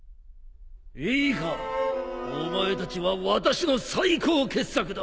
いいかお前たちは私の最高傑作だ